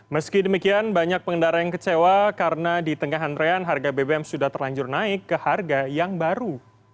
meski demikian banyak pengendara yang kecewa karena di tengah antrean harga bbm sudah terlanjur naik ke harga yang baru